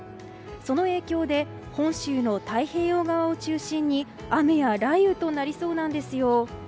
その影響で本州の太平洋側を中心に雨や雷雨となりそうなんですよ。